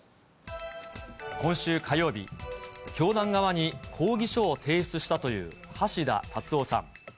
今週火曜日、教団側に抗議書を提出したという橋田達夫さん。